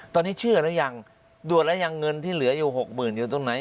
ตอนนี้เชื่อแล้วยังดวนแล้วยังเงินที่เหลืออยู่หกหมื่นอยู่ตรงไหน